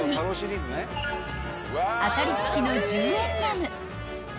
［当たり付きの１０円ガム］